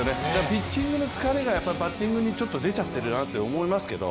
ピッチングの疲れがバッティングにちょっと出ちゃってるなと思いますけど。